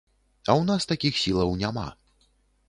А ў нас такіх сілаў няма.